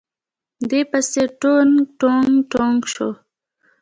دې پسې ټونګ ټونګ ټونګ شو.